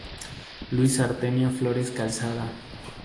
Luis Artemio Flores Calzada.